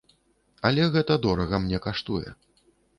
Але гэта дорага мне каштуе.